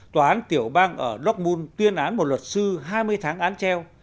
tòa án tiểu bang ở dokmun tuyên án một luật sư hai mươi tháng án treo